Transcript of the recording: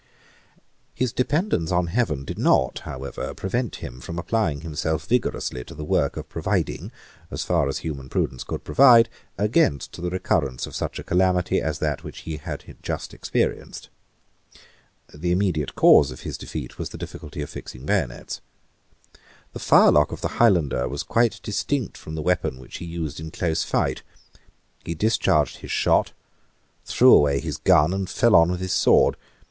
His dependence on heaven did not, however, prevent him from applying himself vigorously to the work of providing, as far as human prudence could provide, against the recurrence of such a calamity as that which he had just experienced. The immediate cause of his defeat was the difficulty of fixing bayonets. The firelock of the Highlander was quite distinct from the weapon which he used in close fight. He discharged his shot, threw away his gun, and fell on with his sword.